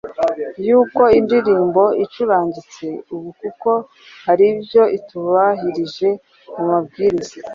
yuko indirimbo icurangitse ubu kuko hari ibyo itubahirije mu mabwiriza